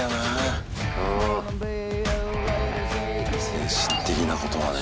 精神的なことはね。